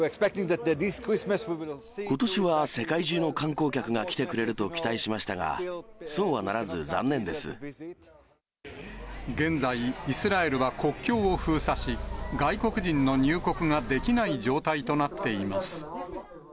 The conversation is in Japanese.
ことしは世界中の観光客が来てくれると期待しましたが、現在、イスラエルは国境を封鎖し、外国人の入国ができない状態となっています。